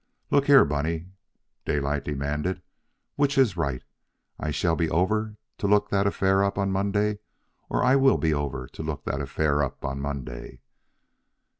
"Look here, Bunny," Daylight demanded, "which is right, I shall be over to look that affair up on Monday, or I will be over to look that affair up on Monday?"